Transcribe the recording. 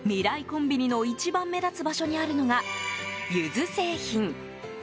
コンビニの一番目立つ場所にあるのがユズ製品。